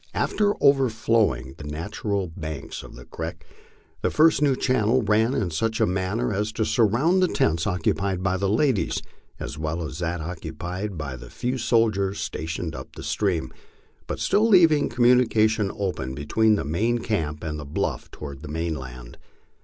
After overflowing the nat ural banks of the creek, the first new channel ran in such a manner as to sur round the tents occupied by the ladies as well as that occupied by the few soldiers stationed up the stream, but still leaving communication open be tween the main camp and the bluff toward the mainland.